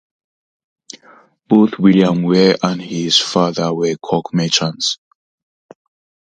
Both William Weir and his father were cork merchants.